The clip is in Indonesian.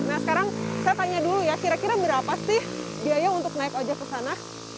nah sekarang saya tanya dulu ya kira kira berapa sih biaya untuk naik ojek ke sana